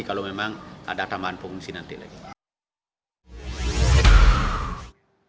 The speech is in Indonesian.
kalau memang ada tambahan pengungsi nanti lagi